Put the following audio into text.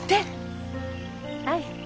はい。